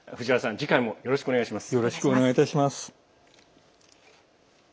次回もよろしくお願いします。